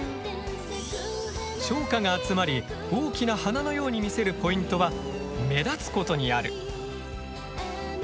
小花が集まり大きな花のように見せるポイントは目立つことにある。